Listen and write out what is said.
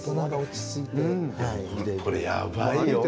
もうこれやばいよ。